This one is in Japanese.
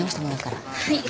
はい。